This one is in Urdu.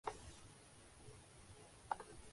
وہ دانستہ ان پہلوئوں کی نقاب کشائی سے گریزاں ہے۔